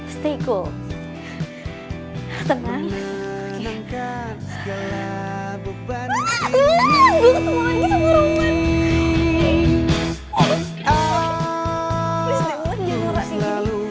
selalu bahagia menikmati cinta ini bersama dirimu